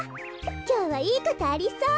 きょうはいいことありそう。